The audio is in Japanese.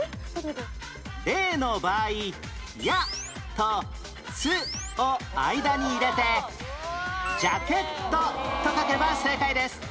Ａ の場合「や」と「つ」を間に入れて「じゃけっと」と書けば正解です